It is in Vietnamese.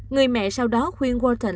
người mẹ sau đó khuyên wharton